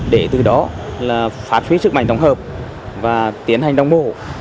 để từ đó phát huy sức mạnh đồng hợp và tiến hành đồng bộ